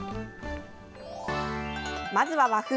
まずは和風。